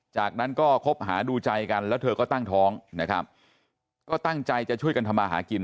จากนั้นก็คบหาดูใจกันแล้วเธอก็ตั้งท้องนะครับก็ตั้งใจจะช่วยกันทำมาหากิน